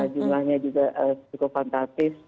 jumlahnya juga cukup fantastis